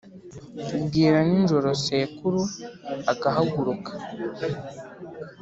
bwirá nínjoro sekúru agaháguruka